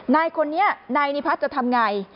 นายคนนี้นายนิพัฒน์จะทำไง